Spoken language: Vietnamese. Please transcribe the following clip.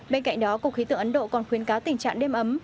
bên cạnh đó cục khí tượng ấn độ còn khuyến cáo tình trạng đêm ấm